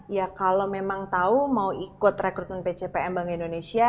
ya kalau memang tahu mau ikut rekrutmen pcpm bank indonesia